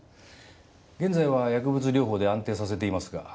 現在は薬物療法で安定させていますが。